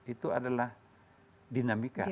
itu adalah dinamika